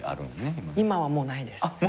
今はもうないです。